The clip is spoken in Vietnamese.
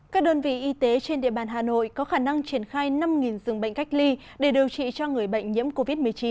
các đơn vị y tế trên địa bàn hà nội có khả năng triển khai năm dường bệnh cách ly để điều trị cho người bệnh nhiễm covid một mươi chín